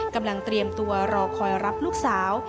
กำลังเตรียมตัวรอคอยรับลูกสาว